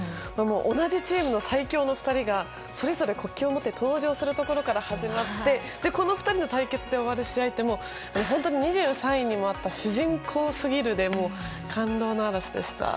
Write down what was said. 同じチームの最強の２人がそれぞれ国旗を持って登場するところから始まってこの２人の対決で終わる試合って本当に２３位にもあった「主人公すぎる」で感動の嵐でした。